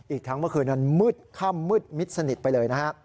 อีกทั้งเมื่อคืนนั้นมืดค่ำมืดมิดสนิทไปเลยนะฮะ